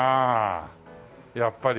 やっぱり。